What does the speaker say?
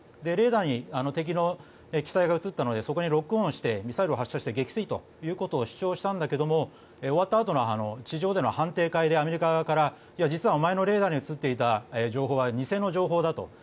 レーダーに敵の機体が映ったのでそこにロックオンしてミサイルを発射して撃墜ということを主張したんだけど終わったあとの地上での判定会でアメリカ側から実はお前のレーダーに映っていた情報は偽の情報だと。